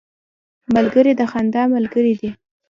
ملګری د خندا ملګری دی